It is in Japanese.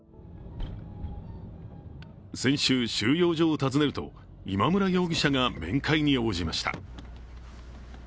先週、収容所を訪ねると今村容疑者が面会に応じました。